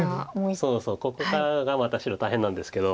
そうそうここからがまた白大変なんですけど。